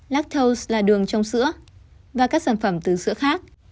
lactow là đường trong sữa và các sản phẩm từ sữa khác